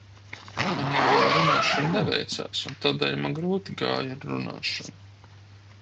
Man jau vēl runāšana neveicās un tādēļ man grūti gāja ar runāšanu.